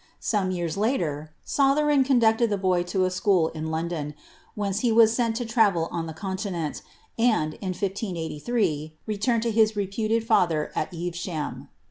Some years later, Sotheron conducted the boy to a school in London : whence he was sent to travel on the Continent; and, in 1583, he retumed to his reputed father at Evesham."